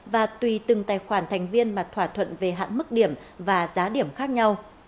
và tùy từng tài khoản thành viên mà thỏa thuận về hạn mức điểm và giá điểm khác nhau